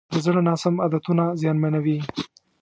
د زړه ناسم عادتونه زیانمنوي.